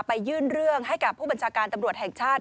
ยื่นเรื่องให้กับผู้บัญชาการตำรวจแห่งชาติ